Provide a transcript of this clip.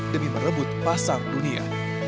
demi merebut pasar dunia